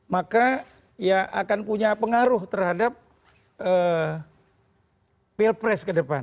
maka ya akan punya pengaruh terhadap pilpres ke depan